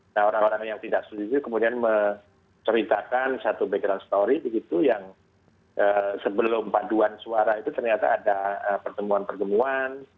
nah orang orang yang tidak setuju kemudian menceritakan satu background story begitu yang sebelum paduan suara itu ternyata ada pertemuan pertemuan